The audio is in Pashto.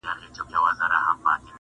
o ځکه نه خېژي په تله برابر د جهان یاره,